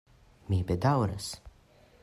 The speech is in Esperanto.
Mi bedaŭras.